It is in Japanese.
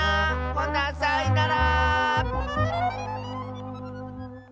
ほなさいなら！